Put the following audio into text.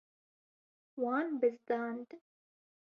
Wan bizdand.